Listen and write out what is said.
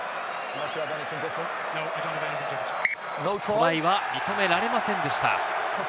トライは認められませんでした。